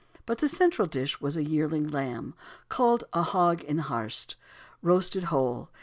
But the central dish was a yearling lamb, called a "hog in har'st," roasted whole.